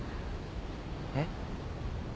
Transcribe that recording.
えっ？